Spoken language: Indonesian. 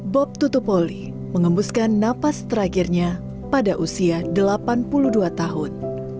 bob tutupoli mengembuskan napas terakhirnya pada usia delapan puluh dua tahun